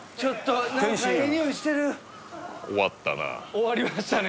終わりましたね